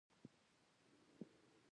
د خوړو زنځیر د انرژۍ لیږد ښيي